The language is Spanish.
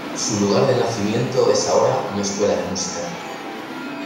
Su lugar de nacimiento es ahora una escuela de música.